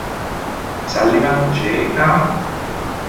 Sullivan, J. Am.